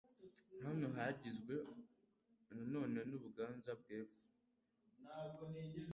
Hahoze hagizwe na none n'u Buganza bw'Epfo